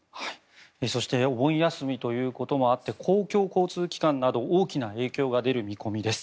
そしてお盆休みということもあって公共交通機関など大きな影響が出る見込みです。